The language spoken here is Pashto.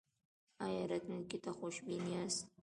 ایا راتلونکي ته خوشبین یاست؟